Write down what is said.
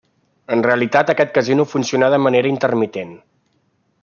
En realitat aquest casino funcionà de manera intermitent.